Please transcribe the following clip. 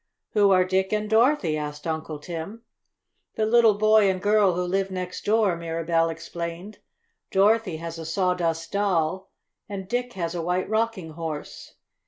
"Who are Dick and Dorothy?" asked Uncle Tim. "The little boy and girl who live next door," Mirabell explained. "Dorothy has a Sawdust Doll, and Dick has a White Rocking Horse.